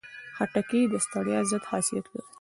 خټکی د ستړیا ضد خاصیت لري.